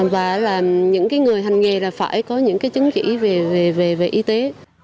và những người hành nghề phải có những chứng chỉ về y tế